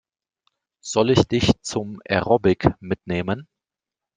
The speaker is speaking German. Soll ich dich zum Aerobic mitnehmen?